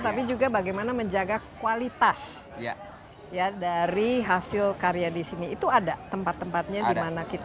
tapi juga bagaimana menjaga kualitas ya dari hasil karya di sini itu ada tempat tempatnya di mana kita